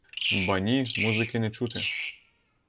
Ба ні — музики не чути!